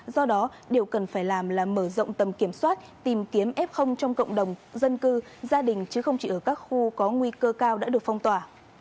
do đó điều cần phải làm là mở rộng tầm kiểm soát tìm kiếm f trong cộng đồng dân cư gia đình chứ không chỉ ở các khu có nguy cơ cao đã được phong tỏa